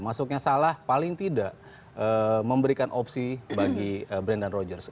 masuknya salah paling tidak memberikan opsi bagi brendan rodgers